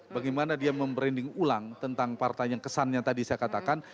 bagaimana dia membranding ulang tentang partai yang kesannya tadi saya katakan